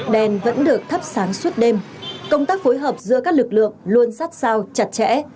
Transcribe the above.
đèn vẫn được thắp sáng suốt đêm công tác phối hợp giữa các lực lượng luôn sát sao chặt chẽ